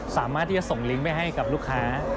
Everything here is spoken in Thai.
สามารถที่จะส่งลิงก์ไปให้กับลูกค้า